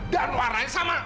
dan warnanya sama